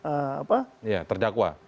apa ya terdakwa